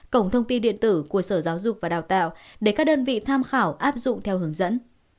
cổng thông tin điện tử của sở giáo dục và đào tạo để các đơn vị tham khảo áp dụng theo hướng dẫn